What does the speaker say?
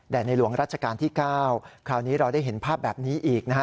ในหลวงรัชกาลที่๙คราวนี้เราได้เห็นภาพแบบนี้อีกนะฮะ